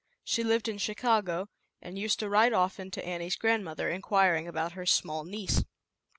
She lived in Chicago, and used to write often to Annie's grandmother, inquiring about her small niece.